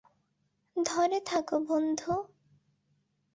ধরে থাকো, বন্ধু!